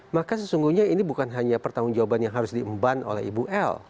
maka sesungguhnya ini bukan hanya pertanggung jawaban yang harus diemban oleh ibu l